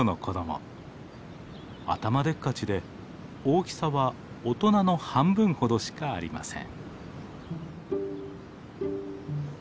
頭でっかちで大きさは大人の半分ほどしかありません。